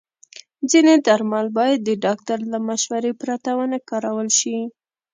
ځینې درمل باید د ډاکټر له مشورې پرته ونه کارول شي.